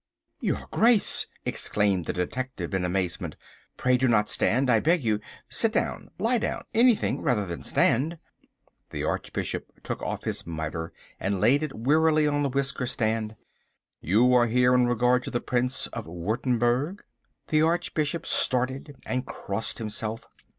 "Your Grace!" exclaimed the detective in amazement—"pray do not stand, I beg you. Sit down, lie down, anything rather than stand." The Archbishop took off his mitre and laid it wearily on the whisker stand. "You are here in regard to the Prince of Wurttemberg." The Archbishop started and crossed himself.